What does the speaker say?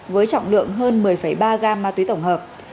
với trọng lượng hơn một mươi ba gam ma túy tổng hợp